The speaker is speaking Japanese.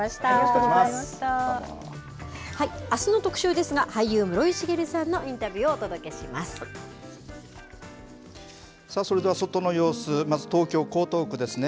あすの特集ですが、俳優、室井滋さんのインタビューをお届けそれでは外の様子、まず東京・江東区ですね。